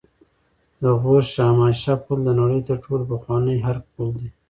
د غور شاهمشه پل د نړۍ تر ټولو پخوانی آرک پل دی